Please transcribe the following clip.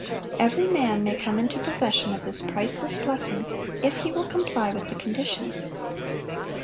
(934) Every man may come into possession of this priceless blessing if he will comply with the conditions.